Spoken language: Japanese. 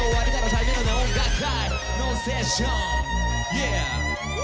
Ｙｅａｈ！